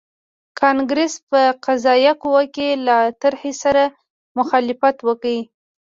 کانګریس په قضایه قوه کې له طرحې سره مخالفت وکړ.